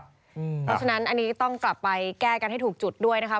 เพราะฉะนั้นอันนี้ต้องกลับไปแก้กันให้ถูกจุดด้วยนะคะ